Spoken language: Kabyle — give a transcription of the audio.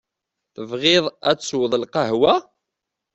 Tebɣiḍ ad tesweḍ lqahwa?